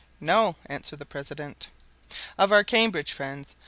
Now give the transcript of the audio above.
"No," answered the president. "Of our Cambridge friends.